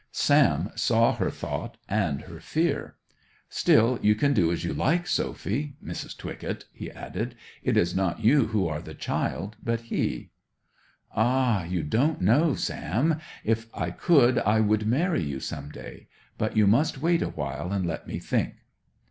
Sam saw her thought and her fear. 'Still, you can do as you like, Sophy—Mrs. Twycott,' he added. 'It is not you who are the child, but he.' 'Ah, you don't know! Sam, if I could, I would marry you, some day. But you must wait a while, and let me think.